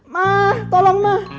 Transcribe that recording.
mah tolong mah